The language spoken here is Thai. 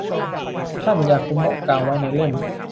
ท่านยาคุโมะกล่าวไว้ในเล่ม